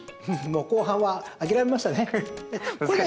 後半は諦めましたね。